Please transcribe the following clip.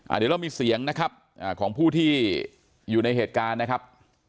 เดี๋ยวเรามีเสียงนะครับของผู้ที่อยู่ในเหตุการณ์นะครับ